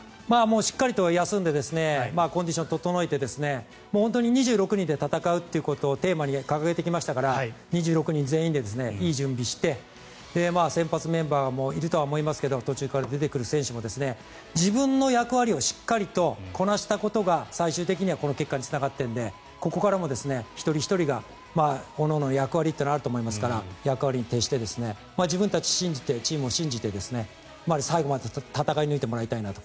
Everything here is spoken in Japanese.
しっかりと休んでコンディションを整えて本当に２６人で戦うということをテーマに掲げてきましたから２６人全員でいい準備をして先発メンバーもいると思いますが途中から出る選手も自分の役割をしっかりとこなしたことが最終的にこの結果につながっているのでここからも一人ひとりがおのおのの役割があると思いますから役割に徹して自分たちを信じてチームを信じて、最後まで戦い抜いてもらいたいなと。